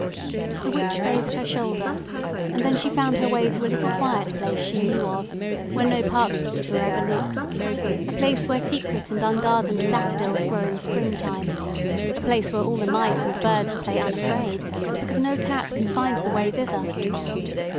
The witch bathed her shoulder, and then she found her way to a little quiet place she knew of, where no park keeper ever looks, a place where secret and ungardened daffodils grow in springtime, a place where all the mice and birds play unafraid, because no cat can find the way thither.